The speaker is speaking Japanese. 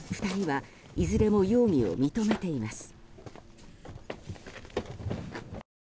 ２人はいずれも容疑を認めています。